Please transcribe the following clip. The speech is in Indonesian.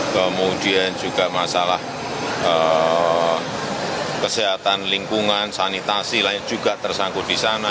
kemudian juga masalah kesehatan lingkungan sanitasi lain juga tersangkut di sana